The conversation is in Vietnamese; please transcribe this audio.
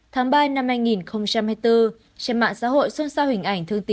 tháng ba năm hai nghìn hai mươi bốn trên mạng xã hội xuân sao hình ảnh